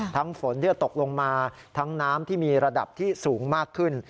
ฝนที่จะตกลงมาทั้งน้ำที่มีระดับที่สูงมากขึ้น